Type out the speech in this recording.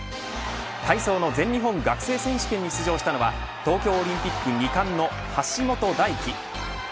体操の全日本学生選手権に出場したのは東京オリンピック２冠の橋本大輝。